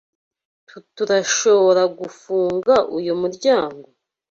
Tturashoboragufunga uyu muryango?